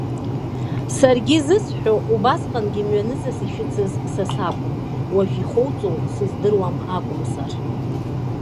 Саргьы зысҳәо, убасҟангьы мҩанызас ишәыцыз са сакәын, уажә ихоуҵо сыздыруам акәымзар.